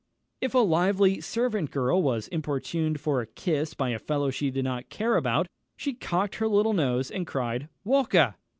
If a lively servant girl was importuned for a kiss by a fellow she did not care about, she cocked her little nose, and cried "_Walker!